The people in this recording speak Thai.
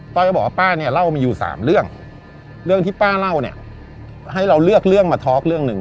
้อยก็บอกว่าป้าเนี่ยเล่ามีอยู่๓เรื่องเรื่องที่ป้าเล่าเนี่ยให้เราเลือกเรื่องมาทอล์กเรื่องหนึ่ง